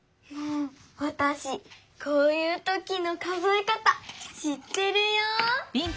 わたしこういうときの数えかたしってるよ！